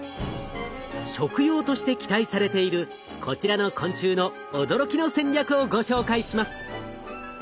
食用として期待されているこちらの昆虫の驚きの戦略をご紹介します。